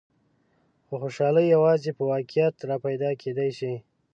خو خوشحالي یوازې په واقعیت کې را پیدا کېدای شي.